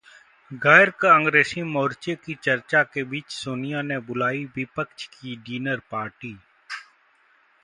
गैर-कांग्रेसी मोर्चे की चर्चा के बीच सोनिया ने बुलाई विपक्ष की डिनर पार्टी